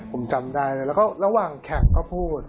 ผมจำได้เลยแล้วก็ระหว่างแข่งก็พูด